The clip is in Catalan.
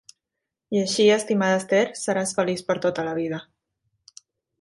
I així, estimada Esther, seràs feliç per a tota la vida.